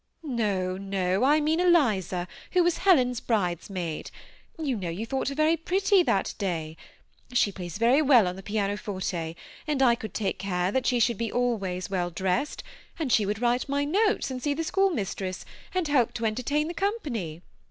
" No, no ; I mean Eliza, who was Helen's brides maid. You know you thought her very pretty that day. She plays very well on the piano»forte, and I could take care that she should be always well dressed ; and she would write my notes, and see the school mis tress, and help to entertain the company.